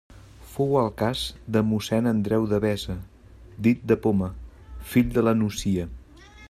Fou el cas de mossén Andreu Devesa, dit de Poma, fill de la Nucia.